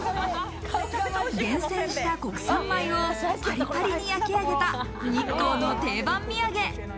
厳選した国産米をパリパリに焼き上げた日光の定番土産。